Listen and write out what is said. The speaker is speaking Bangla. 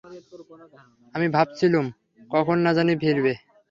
আমি ভাবছিলুম, কখন না জানি ফিরবে।